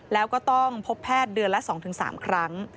แล้วก็ต้องพบแพทย์เดือนละ๒๓ครั้ง